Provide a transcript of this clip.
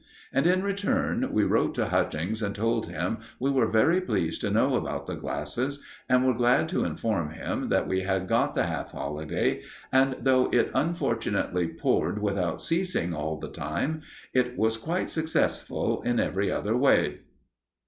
And, in return, we wrote to Hutchings and told him we were very pleased to know about the glasses, and were glad to inform him that we had got the half holiday, and that though it unfortunately poured without ceasing all the time, it was quite successful in every other way.